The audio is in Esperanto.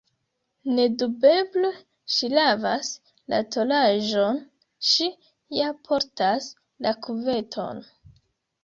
Nedubeble ŝi lavas la tolaĵon, ŝi ja portas la kuveton.